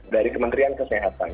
dari kementerian kesehatan